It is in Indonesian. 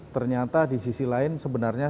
ternyata di sisi lain sebenarnya